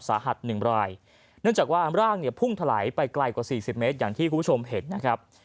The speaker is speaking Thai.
สาหัสหนึ่งรายเนื่องจากว่าร่างเนี่ยพุ่งถลายไปไกลกว่าสี่สิบเมตรอย่างที่คุณผู้ชมเห็นนะครับ